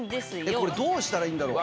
これどうしたらいいんだろう？